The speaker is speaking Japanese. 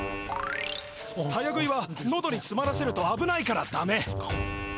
早食いはのどにつまらせるとあぶないからだめ！